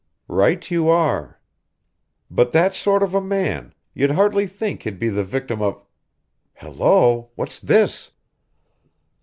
"Right you are! But that sort of a man you'd hardly think he'd be the victim of hello, what's this?"